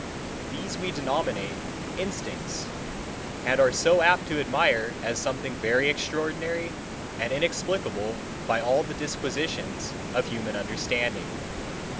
These we denominate Instincts, and are so apt to admire as something very extraordinary, and inexplicable by all the disquisitions of human understanding.